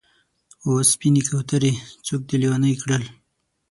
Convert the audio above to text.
و سپینې کوترې! څوک دې لېونی کړل؟